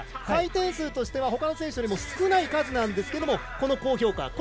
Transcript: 回転数としてはほかの選手よりも少ない数ですが、この好評価。